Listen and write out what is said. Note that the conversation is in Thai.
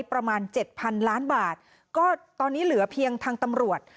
ประมาณเจ็ดพันล้านบาทก็ตอนนี้เหลือเพียงทางตำรวจ